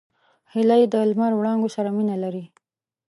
هیلۍ د لمر وړانګو سره مینه لري